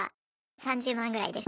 ３０万ぐらいです。